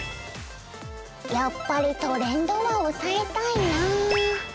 やっぱりトレンドは押さえたいな。